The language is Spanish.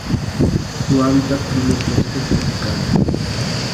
Su hábitat son los bosques tropicales.